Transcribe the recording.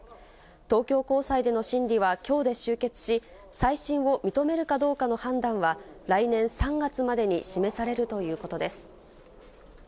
東京高裁での審理はきょうで終結し、再審を認めるかどうかの判断は、来年３月までに示されるということです。